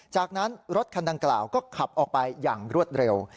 จากนั้นรถคันดังกล่าวก็ขับออกไปอย่างรวดเร็ว